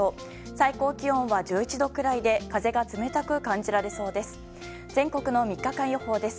最高気温は１１度くらいで風が冷たく感じられそうです。